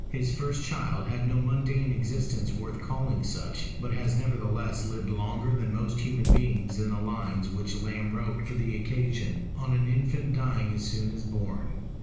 His first child had no mundane existence worth calling such; but has nevertheless lived longer than most human beings in the lines which Lamb wrote for the occasion, On an Infant dying as soon as born.